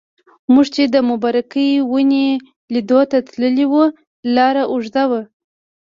موږ چې د مبارکې ونې لیدلو ته تللي وو لاره اوږده وه.